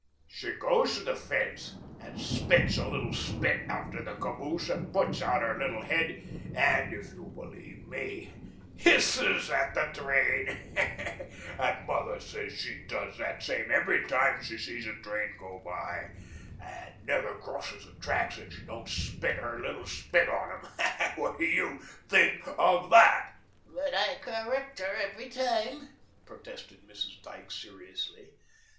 She goes to the fence and spits a little spit after the caboose and puts out her little head and, if you'll believe me, HISSES at the train; and mother says she does that same every time she sees a train go by, and never crosses the tracks that she don't spit her little spit on 'em. What do you THINK of THAT?" "But I correct her every time," protested Mrs. Dyke seriously.